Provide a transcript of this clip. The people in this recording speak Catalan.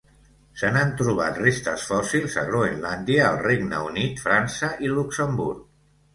Se n'han trobat restes fòssils a Groenlàndia, el Regne Unit, França i Luxemburg.